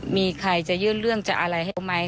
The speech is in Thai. มีใครจะยื่นเรื่องจะอะไรให้ไหม